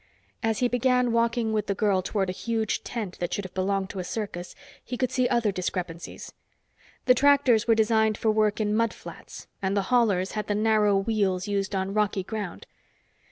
As he began walking with the girl toward a huge tent that should have belonged to a circus, he could see other discrepancies. The tractors were designed for work in mud flats and the haulers had the narrow wheels used on rocky ground.